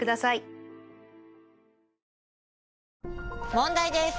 問題です！